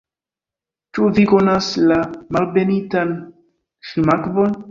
Ĉu vi konas la Malbenitan Ŝlimakvon?